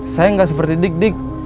saya nggak seperti dik dik